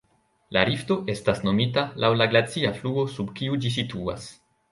La rifto estas nomita laŭ la glacia fluo sub kiu ĝi situas.